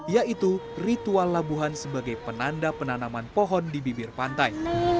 yaitu ritual labuhan sebagai penanda penanaman pohon di bibir pantai